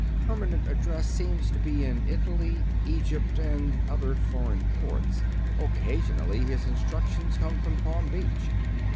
Permanent address seems to be Italy, Egypt, and other foreign ports. Occasionally his instructions come from Palm Beach.